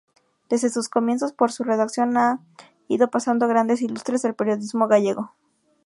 Desde sus comienzos, por su redacción han ido pasando grandes ilustres del periodismo gallego.